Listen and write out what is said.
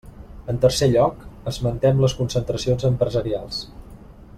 En tercer lloc, esmentem les concentracions empresarials.